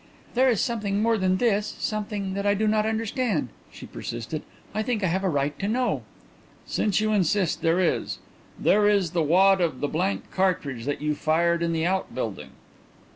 "There is something more than this something that I do not understand," she persisted. "I think I have a right to know." "Since you insist, there is. There is the wad of the blank cartridge that you fired in the outbuilding."